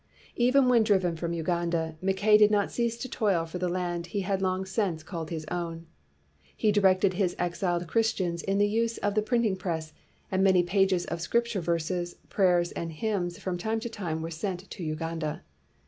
Even when driven from Uganda, Mackay did not cease to toil for the land he had long since called his own. He directed his ex iled Christians in the use of the printing press, and many pages of Scripture verses, prayers, and hymns from time to time were sent to Uganda.